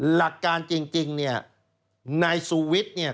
หลักการจริงเนี่ยนายสุวิทย์เนี่ย